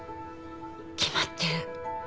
決まってる。